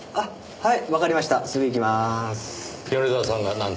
はい。